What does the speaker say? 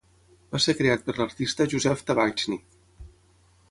Va ser creat per l'artista Josef Tabachnyk.